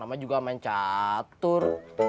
namanya juga main catur